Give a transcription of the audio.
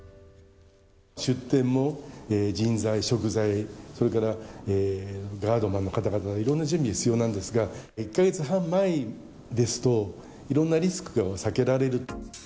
出店も人材、食材、それからガードマンの方々、いろんな準備が必要なんですが、１か月半前ですと、いろんなリスクが避けられる。